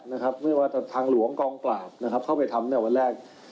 ไม่ว่าถ้าทางหลวงกองปราบเข้าไปทำในวันแรก